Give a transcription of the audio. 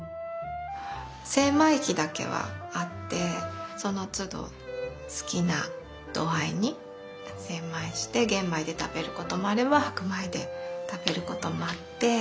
精米機だけはあってそのつど好きな度合いに精米して玄米で食べることもあれば白米で食べることもあって。